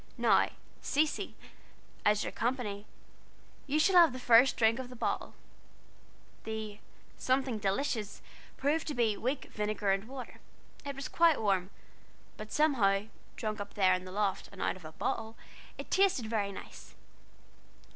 Now, Cecy, as you're company, you shall have the first drink out of the bottle." The "something delicious" proved to be weak vinegar and water. It was quite warm, but somehow, drank up there in the loft, and out of a bottle, it tasted very nice.